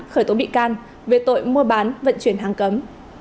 khởi tố bị can về tội mua bán vận chuyển hàng cấm